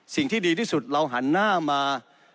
สิ่งที่ดีที่สุดเราหันหน้ามา